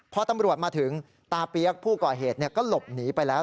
พอตำรวจมาถึงตาเปี๊ยกผู้ก่อเหตุก็หลบหนีไปแล้ว